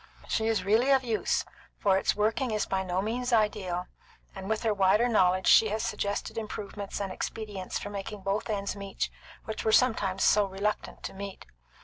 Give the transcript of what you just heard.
She is really of use, for its working is by no means ideal, and with her wider knowledge she has suggested improvements and expedients for making both ends meet which were sometimes so reluctant to meet.